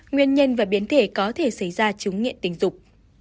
ba nguyên nhân và biến thể có thể xảy ra chứng nghiện tình dục